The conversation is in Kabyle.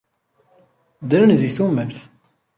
Ddren di tumert.